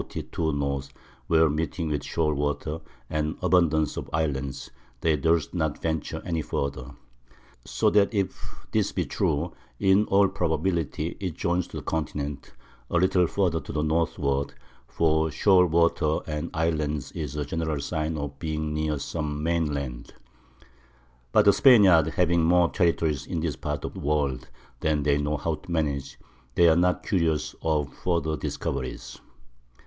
where meeting with Shoal Water, and abundance of Islands, they durst not venture any further: So that if this be true, in all Probability it joins to the Continent, a little further to the Northward; for Shoal Water and Islands is a general Sign of being near some main Land: but the Spaniards having more Territories in this Part of the World than they know how to manage, they are not curious of further Discoveries.